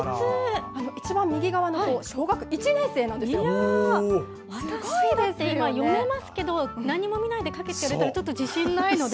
一番右側の子、小学１年生な私だって読めますけど、何も見ないで書けって言われてもちょっと自信ないので。